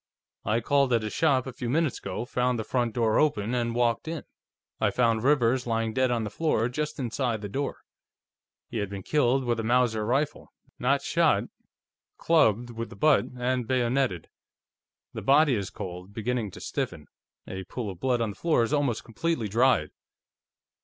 I called at his shop a few minutes ago, found the front door open, and walked in. I found Rivers lying dead on the floor, just inside the door. He had been killed with a Mauser rifle not shot; clubbed with the butt, and bayoneted. The body is cold, beginning to stiffen; a pool of blood on the floor is almost completely dried."